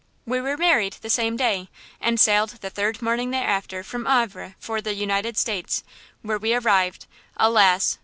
"We were married the same day, and sailed the third morning thereafter from Havre for the United States, where we arrived, alas!